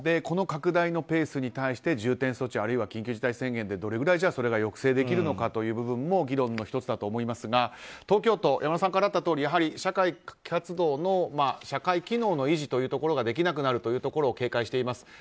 この拡大のペースに対して重点措置あるいは緊急事態宣言でどれくらいそれが抑制できるのかという部分も議論の１つだと思いますが東京都山田さんからあったとおりやはり社会機能の維持ができなくなるというところを警戒しています。